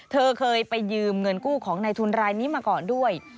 เธอเคยไปยืมเงินกู้ของในทุนรายนี้มาก่อนด้วย